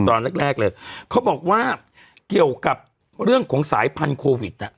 ตอนแรกแรกเลยเขาบอกว่าเกี่ยวกับเรื่องของสายพันธุวิตอ่ะ